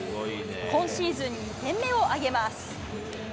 今シーズン２点目を挙げます。